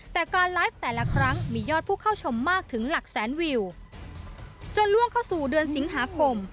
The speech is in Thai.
แต่การไลฟ์แต่ละครั้งมียอดผู้เข้าชมมากถึงหลักแสนวิวจนล่วงเข้าสู่เดือนสิงหาคม